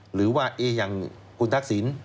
หรือว่าอย่างคุณทักษิณ